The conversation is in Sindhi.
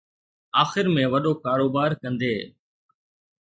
آخر ۾ وڏو ڪاروبار ڪندي